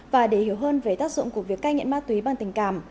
và để hiểu hơn về tác dụng của việc cai nghiện ma túy bằng tình cảm